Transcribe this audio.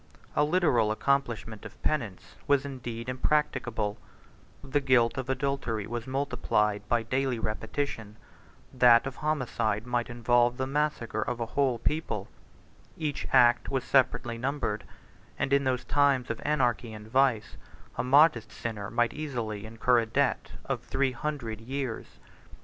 A literal accomplishment of penance was indeed impracticable: the guilt of adultery was multiplied by daily repetition; that of homicide might involve the massacre of a whole people; each act was separately numbered; and, in those times of anarchy and vice, a modest sinner might easily incur a debt of three hundred years.